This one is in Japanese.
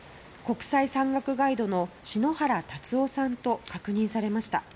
国際山岳ガイドの篠原達郎さんと確認されました。